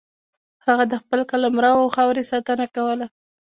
هغه د خپل قلمرو او خاورې ساتنه کوله.